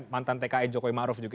mantan tki jokowi ma'ruf juga